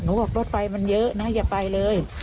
บอกรถไฟมันเยอะนะอย่าไปเลย